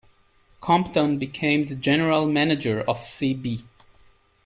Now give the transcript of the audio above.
Compton became the general manager of C. B.